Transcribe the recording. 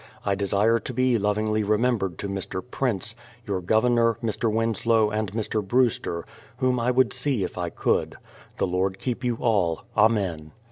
I desire to be lovingly remembered to Mr. Prince — your Governor, Mr. Winslow, and Mr. Brewster, whom I would see if I could. The Lord keep you all. Amen.